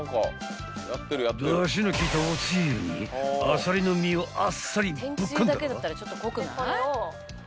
［だしの効いたおつゆにあさりの身をあっさりぶっこんだら］